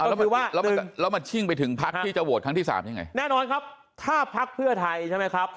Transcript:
แล้วมันว่าแล้วมาชิ่งไปถึงพักที่จะโหวตครั้งที่สามยังไงแน่นอนครับถ้าพักเพื่อไทยใช่ไหมครับ